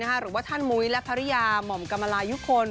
หรือว่าท่านมุ้ยและภรรยาหม่อมกรรมลายุคล